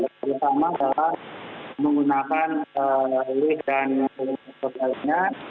terutama kalau menggunakan ulih dan ulih sosialnya